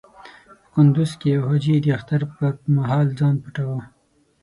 په کندز کې يو حاجي د اختر پر مهال ځان پټاوه.